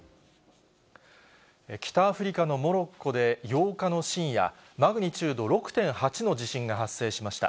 北アフリカのモロッコで８日の深夜、マグニチュード６．８の地震が発生しました。